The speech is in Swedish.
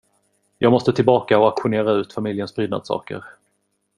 Jag måste tillbaka och auktionera ut familjens prydnadssaker.